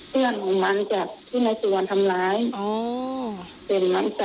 เพื่อนกล้อง